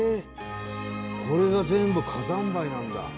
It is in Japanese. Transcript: これが全部火山灰なんだ。